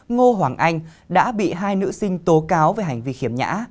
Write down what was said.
ngô hoàng anh đã bị hai nữ sinh tố cáo về hành vi khiếm nhã